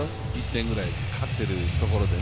１点ぐらい勝っているところで。